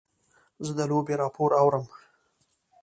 زه د لوبې راپور اورم.